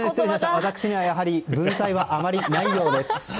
私には、やはり文才はあまりないようです。